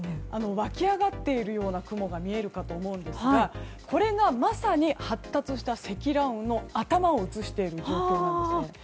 湧き上がっているような雲が見えると思いますがこれがまさに発達した積乱雲の頭を映している状況なんです。